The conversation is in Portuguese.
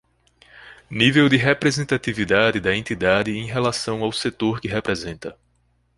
Nível de representatividade da entidade em relação ao setor que representa.